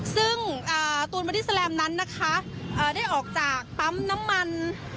ซึ่งตูนบอดี้แลมนั้นนะคะได้ออกจากปั๊มน้ำมัน